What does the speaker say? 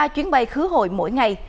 ba chuyến bay khứ hội mỗi ngày